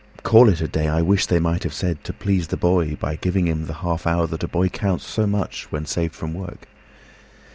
Call it a day, I wish they might have saidTo please the boy by giving him the half hourThat a boy counts so much when saved from work.